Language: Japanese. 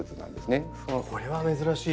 これは珍しい！